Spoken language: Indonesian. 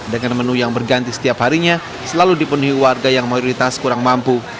dengan menu yang berganti setiap harinya selalu dipenuhi warga yang mayoritas kurang mampu